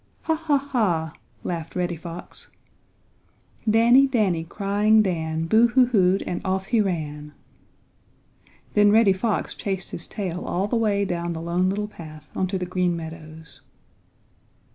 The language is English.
"Ha, ha, ha," laughed Reddy Fox "Danny, Danny, crying Dan Boo hoo hooed and off he ran!" Then Reddy Fox chased his tail all the way down the Lone Little Path onto the Green Meadows.